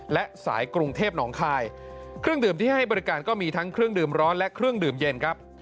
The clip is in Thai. และสายกรุงเทพหนองคายเครื่องดื่มที่ให้บริการก็มีทั้งเครื่องดื่มร้อนและเครื่องดื่มเย็นครับ